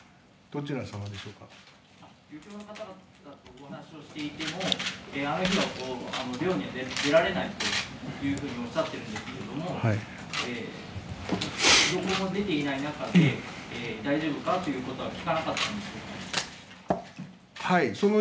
漁協の方々とお話をしていてもあの日は漁には出られないというふうにおっしゃっているんですけれども漁協で出ていない中で大丈夫かということは聞かなかったんですか。